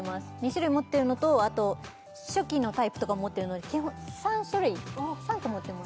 ２種類持ってるのとあと初期のタイプとかも持ってるので３種類３個持ってます